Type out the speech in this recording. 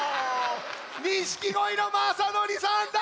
錦鯉の雅紀さんだ！